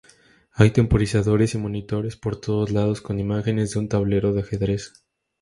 Hay temporizadores y monitores por todos lados con imágenes de un tablero de ajedrez.